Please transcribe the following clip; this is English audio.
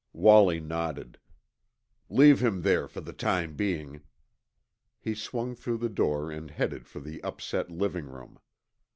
Wallie nodded. "Leave him there for the time being." He swung through the door and headed for the upset living room.